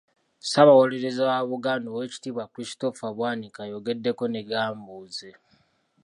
Ssaabawolerereza wa Buganda Oweekitiibwa Christopher Bwanika ayogedeko ne Gambuuze.